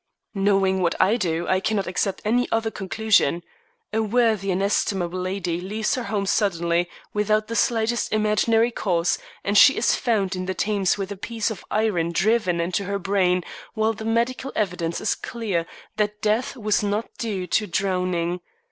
"Knowing what I do, I cannot accept any other conclusion. A worthy and estimable lady leaves her home suddenly, without the slightest imaginary cause, and she is found in the Thames with a piece of iron driven into her brain, while the medical evidence is clear that death was not due to drowning.